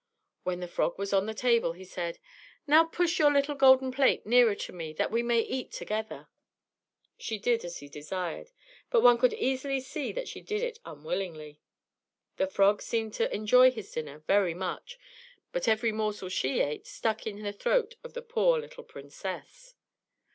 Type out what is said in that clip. When the frog was on the table, he said, "Now push your little golden plate nearer to me, that we may eat together." She did as he desired, but one could easily see that she did it unwillingly. The frog seemed to enjoy his dinner very much, but every morsel she ate stuck in the throat of the poor little princess.